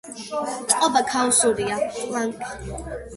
წყობა ქაოსურია, ტლანქი.